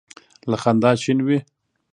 له خندا شین وي.